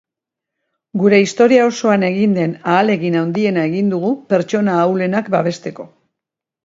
Gure historia osoan egin den ahalegin handiena egin dugu pertsona ahulenak babesteko.